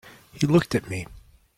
He looked at me.